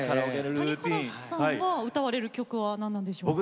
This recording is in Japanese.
谷原さんは歌われる曲は何なんでしょうか？